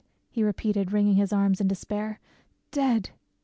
he repeated, wringing his arms in despair,—"dead!"